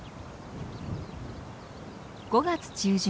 ５月中旬。